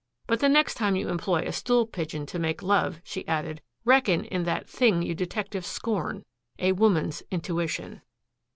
"But the next time you employ a stool pigeon to make love," she added, "reckon in that thing you detectives scorn a woman's intuition."